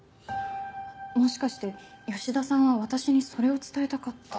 もしかして吉田さんは私にそれを伝えたかった？